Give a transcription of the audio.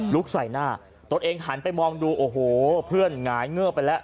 ใส่หน้าตนเองหันไปมองดูโอ้โหเพื่อนหงายเงิบไปแล้ว